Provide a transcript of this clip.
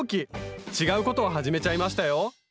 違うことを始めちゃいましたよ。